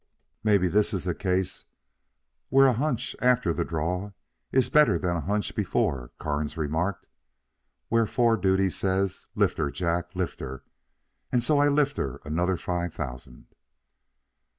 "Mebbe this is a case where a hunch after the draw is better'n the hunch before," Kearns remarked; "wherefore duty says, 'Lift her, Jack, lift her,' and so I lift her another five thousand."